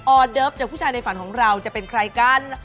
อเดิฟจากผู้ชายในฝันของเราจะเป็นใครกัน